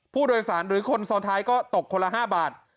ผู้โดยสารหรือคนซ้อนท้ายก็ตกคนละ๕บาท